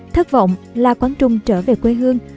thất vọng la quán trung trở về quê hương